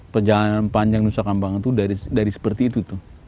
perjalanan panjang usaha kembangan itu dari seperti itu